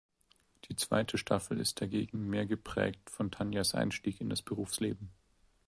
Die zweite Staffel ist dagegen mehr geprägt von Tanjas Einstieg in das Berufsleben.